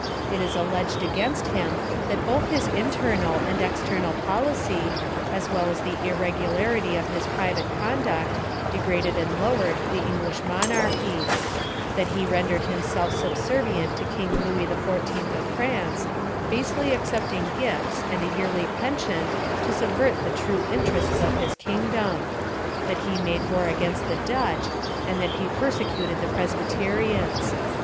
It Is alleged against him that both his internal and external policy, as well as the Irregularity of his private conduct, degraded and lowered the English monarchy; that he rendered him self subservient to King Louis XIV of France, basely accepting gifts and a yearly pension to subvert the true interests of his kingdom; that he made war against the Dutch, and that he persecuted the Presbyterians.